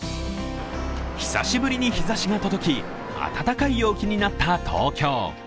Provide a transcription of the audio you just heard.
久しぶりに日ざしが届き暖かい陽気になった東京。